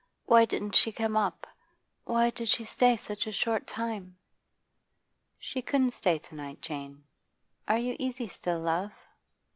Why didn't she come up? Why did she stay such a short time?' 'She couldn't stay to night, Jane. Are you easy still, love?